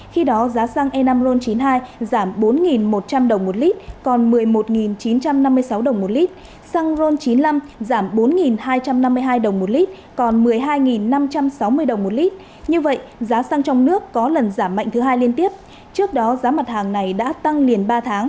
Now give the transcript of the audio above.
khi đó giá xăng e năm ron chín mươi hai giảm bốn một trăm linh đồng một lít còn một mươi một chín trăm năm mươi sáu đồng một lít